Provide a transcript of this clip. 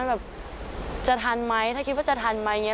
แบบจะทันไหมถ้าคิดว่าจะทันไหมอย่างนี้